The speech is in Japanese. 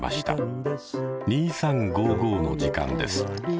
「２３」の時間です。